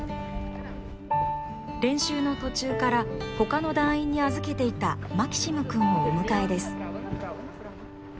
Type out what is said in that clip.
練習の途中から他の団員に預けていたマキシムくんをお迎えです。